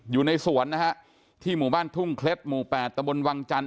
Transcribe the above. อยู่ในสวนนะฮะที่หมู่บ้านทุ่งเคล็ดหมู่๘ตะบนวังจันท